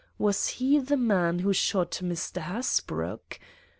Was he the man who shot Mr. Hasbrouck?